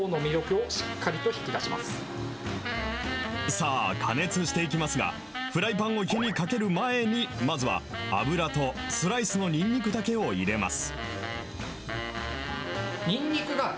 さあ、加熱していきますが、フライパンを火にかける前に、まずは油とスライスのにんにくだけを入れます。